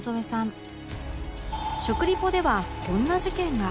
食リポではこんな事件が